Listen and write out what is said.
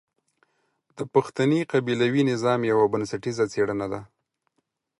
د پښتني قبيلوي نظام يوه بنسټيزه څېړنه ده.